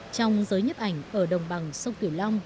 trong giới nhiếp ảnh